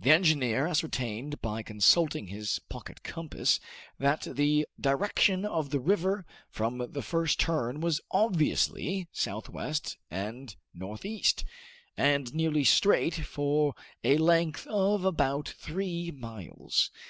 The engineer ascertained by consulting his pocket compass that the direction of the river from the first turn was obviously southwest and northeast, and nearly straight for a length of about three miles.